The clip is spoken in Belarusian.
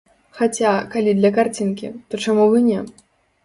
Хаця, калі для карцінкі, то чаму б і не?